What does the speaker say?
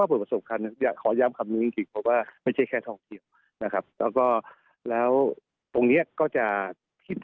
เนี่ยขอย้ำคำนึงดีกว่าไม่ใช่แค่ทักเทียมนะครับแล้วก็แล้วตรงเนี้ย๊ก็จะคิด